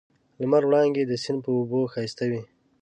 د لمر وړانګې د سیند پر اوبو ښایسته وې.